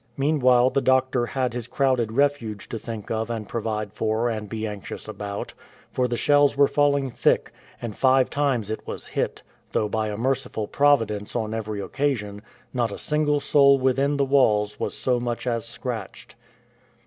Mean while the doctor had his crowded refuge to think of and provide for and be anxious about, for the shells were falling thick, and five times it was hit, though by a merciful providence on every occasion not a single soul within the walls was so much as scratched.